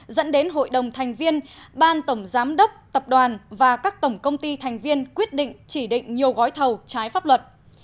dẫn đến hội đồng thành viên ban tổng giám đốc tập đoàn và các tổng công ty thành viên quyết định chỉ định nhiều gói thầu trái pháp luật